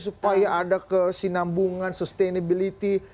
supaya ada kesinambungan sustainability